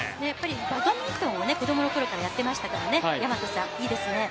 バドミントンを子供のころからやってましたからね、いいですね。